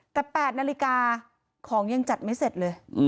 แต่๘นาฬิกาของยังจัดไม่เสร็จเลย